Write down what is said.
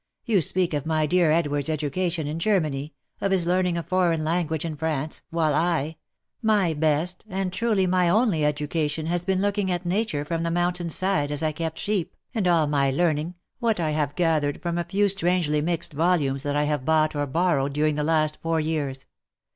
You speak of my dear Edward's education in Germany — of his learning a foreign language in France — while I !— my best, and truly my only education has been looking at nature from the mountain's side as I kept sheep, and all my learning, what I have gathered from a few strangely mixed volumes that I have bought or borrowed during the last four years.